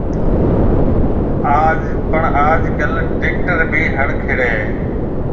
پڻ آج ڪل ٽيڪٽر ڀِي هڙ کيڙيَ هيَ۔